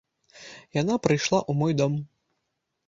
Яна прыйшла ў мой дом.